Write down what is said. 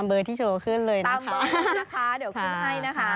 ตามเบอร์ที่โชว์ขึ้นเลยนะคะตามเบอร์นี้นะคะเดี๋ยวขึ้นให้นะคะ